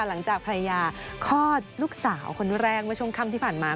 หลังจากภรรยาคลอดลูกสาวคนแรกเมื่อช่วงค่ำที่ผ่านมา